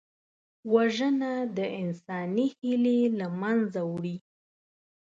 وژنه د انساني هیلې له منځه وړي